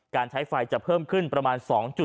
การใช้ไฟจะเพิ่มขึ้นประมาณ๒๗